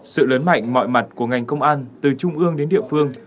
sự lớn mạnh mọi mặt của ngành công an từ trung ương đến địa phương